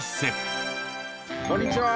あっこんにちは。